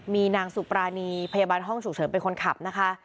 มีนางสุปรานีพยาบาลห้องฉุกเฉินเป็นคนขับนะคะ